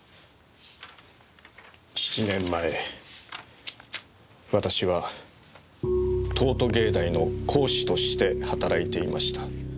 ７年前私は東都芸大の講師として働いていました。